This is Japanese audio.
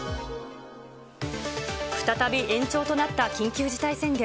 再び延長となった緊急事態宣言。